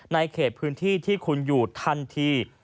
ในเขตพื้นที่ที่คุณอยู่ทันที